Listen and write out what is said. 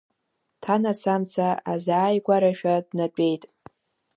Ҭанас амца азааигәарашәа днатәеит.